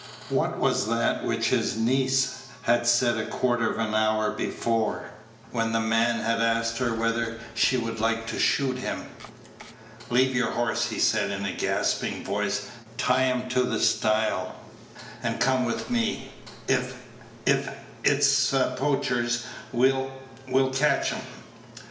What was that which his niece had said a quarter of an hour before, when the man had asked her whether she would like to shoot him? "Leave your horse," he said, in a gasping voice; "tie him to the stile, and come with me. If if it's poachers, we'll we'll catch 'em."